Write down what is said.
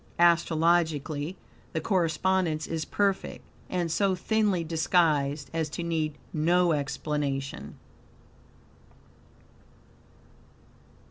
Astrologically the correspondence is perfect, and so thinly disguised as to need no explanation.